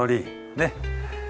ねっ。